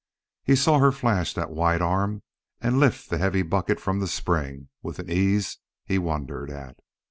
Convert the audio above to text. He saw her flash that white arm and lift the heavy bucket from the spring with an ease he wondered at.